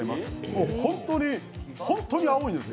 もう本当に、本当に青いんです。